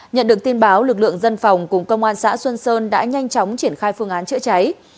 nhận được tin báo lực lượng dân phòng cùng công an xã xuân sơn đã nhanh chóng triển khai phương án chữa cháy